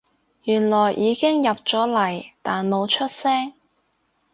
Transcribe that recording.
原來已經入咗嚟但冇出聲